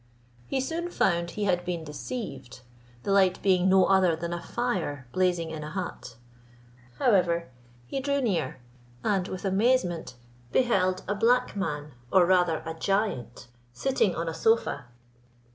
He soon found he had been deceived, the light being no other than a fire blazing in a hut; however, he drew near, and, with amazement, beheld a black man, or rather a giant, sitting on a sofa.